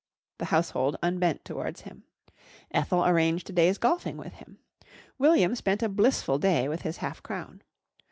The household unbent towards him. Ethel arranged a day's golfing with him. William spent a blissful day with his half crown.